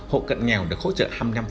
hộ cận nghèo được hỗ trợ hai mươi năm